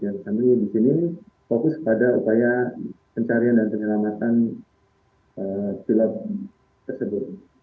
kami di sini fokus pada upaya pencarian dan penyelamatan pilot tersebut